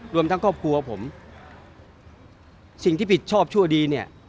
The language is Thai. รวมทั้งครอบครัวผมสิ่งที่ผิดชอบชั่วดีเนี่ย